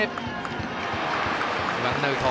ワンアウト。